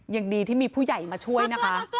ยังดีที่มีผู้ใหญ่มาช่วยนะคะ